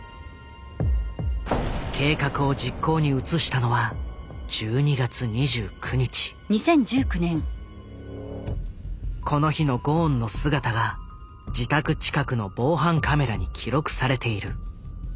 計画を実行に移したのはこの日のゴーンの姿が自宅近くの防犯カメラに記録されている。